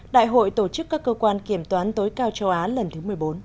đại hội tổ chức các cơ quan kiểm toán tối cao châu á lần thứ một mươi bốn